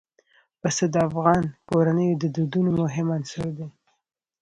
پسه د افغان کورنیو د دودونو مهم عنصر دی.